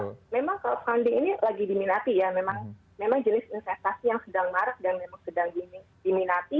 oke oke memang crowdfunding ini lagi diminati